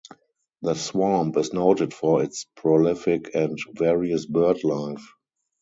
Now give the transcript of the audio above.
The swamp is noted for its prolific and various bird life.